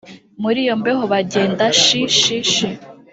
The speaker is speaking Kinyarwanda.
muri iyo mbeho bagenda shishishi